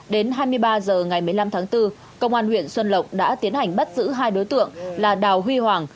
đến hai mươi ba h ngày một mươi năm tháng bốn công an huyện xuân lộc đã tiến hành bắt giữ hai đối tượng là đào huy hoàng